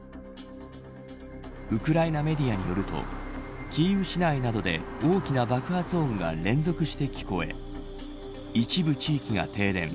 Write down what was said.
ウクライナメディアによるとキーウ市内などで大きな爆発音が連続して聞こえ一部地域が停電。